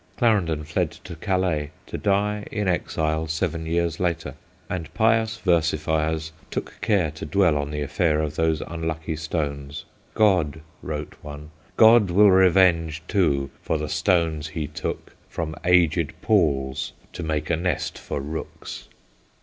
Clarendon fled to Calais, to die in exile seven years later, and pious versifiers took care to dwell on the affair of those unlucky stones. ' God/ wrote one, 1 God will revenge, too, for the stones he took From aged Paul's to make a nest for rooks.'